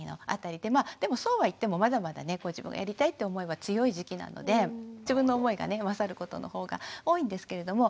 でもそうは言ってもまだまだね自分がやりたいって思いは強い時期なので自分の思いが勝ることの方が多いんですけれども。